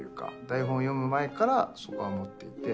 台本を読む前からそこは思っていて。